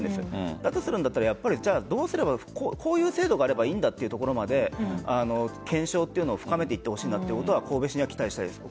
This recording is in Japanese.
だとするならどうすればこういう制度があればいいんだというところまで検証というのを深めていってほしいというのは神戸市には期待したいです。